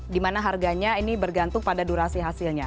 dimana harganya ini bergantung pada durasi hasilnya